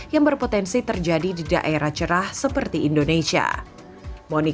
yang berpotensi terkendali